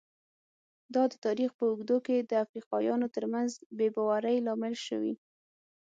دا د تاریخ په اوږدو کې د افریقایانو ترمنځ بې باورۍ لامل شوي.